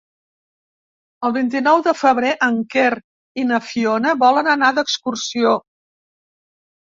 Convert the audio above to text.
El vint-i-nou de febrer en Quer i na Fiona volen anar d'excursió.